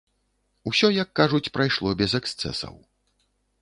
Усё, як кажуць, прайшло без эксцэсаў.